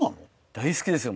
大好きですよ！